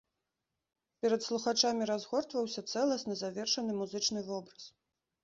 Перад слухачамі разгортваўся цэласны, завершаны музычны вобраз.